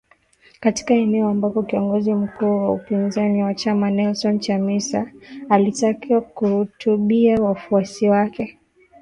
Katika eneo ambako kiongozi mkuu wa upinzani wa chama , Nelson Chamisa, alitakiwa kuhutubia wafuasi wake Jumamosi